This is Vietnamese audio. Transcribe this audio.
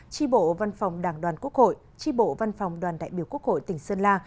tri bộ văn phòng đảng đoàn quốc hội tri bộ văn phòng đoàn đại biểu quốc hội tỉnh sơn la